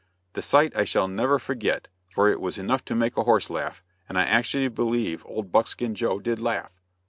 The sight I shall never forget, for it was enough to make a "horse laugh," and I actually believe old Buckskin Joe did laugh.